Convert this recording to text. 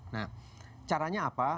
nah caranya apa